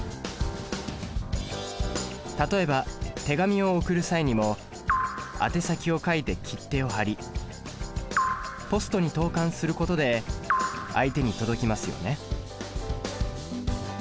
例えば手紙を送る際にもあて先を書いて切手を貼りポストに投函することで相手に届きますよね。